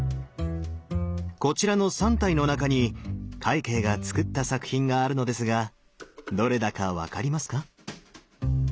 こちらの３体の中に快慶がつくった作品があるのですがどれだか分かりますか。